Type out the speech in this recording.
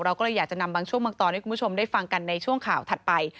เราก็เลยอยากจะนำบางช่วงบางตอนให้คุณผู้ชมได้ฟังกันในช่วงข่าวถัดไป